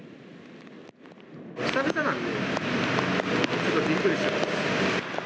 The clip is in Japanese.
久々なんで、ちょっとびっくりしてます。